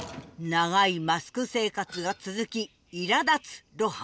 長いマスク生活が続きいらだつ露伴。